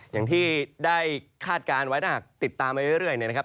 อย่างที่ได้คาดการณ์ไว้ถ้าหากติดตามไปเรื่อยเนี่ยนะครับ